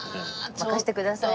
任せてください。